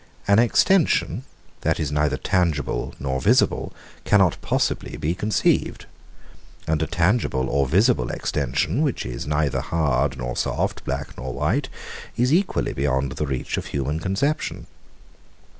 An extension, that is neither tangible nor visible, cannot possibly be conceived: and a tangible or visible extension, which is neither hard nor soft, black nor white, is equally beyond the reach of human conception.